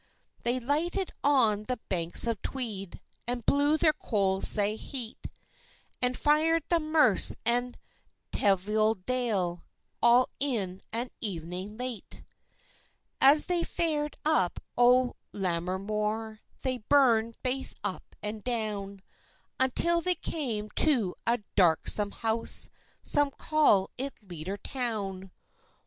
] They lighted on the banks of Tweed, And blew their coals sae het, And fired the Merse and Teviotdale, All in an evening late. As they fared up o'er Lammermoor, They burn'd baith up and down, Until they came to a darksome house, Some call it Leader Town.